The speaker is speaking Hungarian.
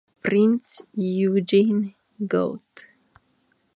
Prinz Eugen Gaut.